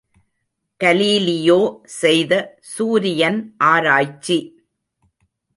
Galileo செய்த சூரியன் ஆராய்ச்சி!